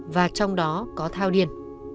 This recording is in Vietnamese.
và trong đó có thao điên